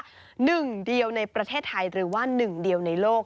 หนึ่งเดียวในประเทศไทยหรือว่าหนึ่งเดียวในโลก